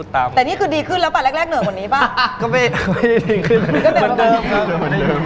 แต่นี่คือดีขึ้นแล้วป่าแรกเหนือของผม